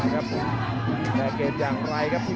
เกมอย่างไรครับ